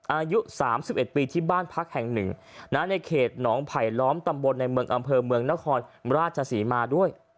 อายุ๓๑ปีที่บ้านพักแห่งหนึ่งในเขตหนองไผลล้อมตำบลในเมืองอำเภอเมืองนครราชศรีมาด้วย